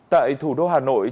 tại thủ đô hà nội